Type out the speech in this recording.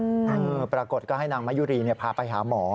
ปรากฏก็ให้นางมะยุรีพาไปหาหมอ